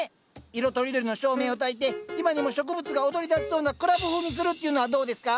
色とりどりの照明をたいて今にも植物が踊りだしそうなクラブ風にするっていうのはどうですか？